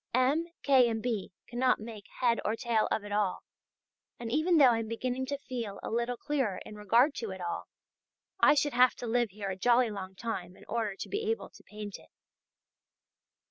M. K. and B. cannot make head or tail of it all, and even though I am beginning to feel a little clearer in regard to it all, I should have to live here a jolly long time in order to be able to paint it.